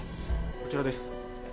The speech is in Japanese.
こちらです。